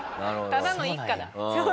ただの一家だ。